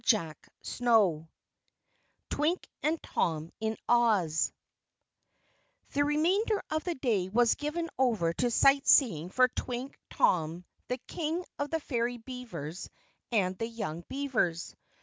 CHAPTER 24 Twink and Tom in Oz The remainder of the day was given over to sightseeing for Twink, Tom, the King of the Fairy Beavers, and the young beavers.